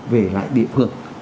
về lại địa phương